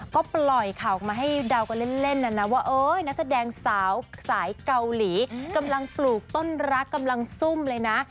ก็ปล่อยข่าวออกมาให้เดากันเล่นนะนะว่านักแสดงสาวสายเกาหลีกำลังปลูกต้นรักกำลังซุ่มเลยนะ